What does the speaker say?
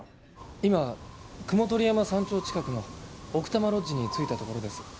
今雲取山山頂近くの奥多摩ロッジに着いたところです。